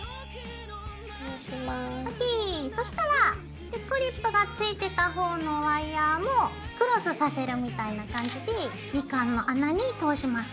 そしたらクリップがついてたほうのワイヤーもクロスさせるみたいな感じでみかんの穴に通します。